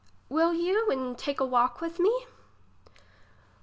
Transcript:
Will you and take a walk with me